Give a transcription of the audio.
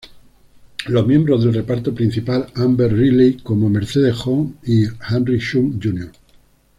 Los miembros del reparto principal Amber Riley como Mercedes Jones y Harry Shum, Jr.